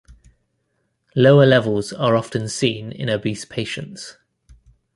Lower levels are often seen in obese patients.